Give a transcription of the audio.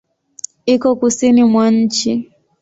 Iko kusini mwa nchi.